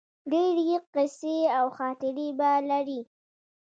ډیرې قیصې او خاطرې به لرې